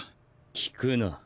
聞くな。